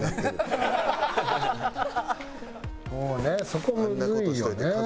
そうねそこむずいよね。